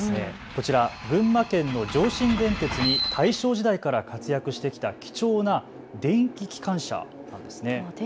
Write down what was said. こちら群馬県の上信電鉄に大正時代から活躍してきた貴重な電気機関車です。